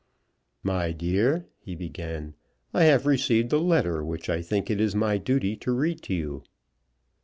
"My dear," he began, "I have received a letter which I think it is my duty to read to you."